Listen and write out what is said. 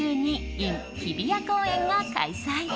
ｉｎ日比谷公園が開催！